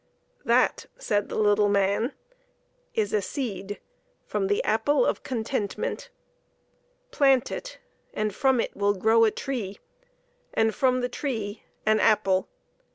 "That," said the little man, "is a seed from the apple of contentment. Plant it, and from it will grow a tree, and from the tree an apple.